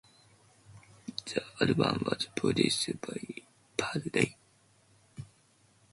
The album was produced by Paul Ray.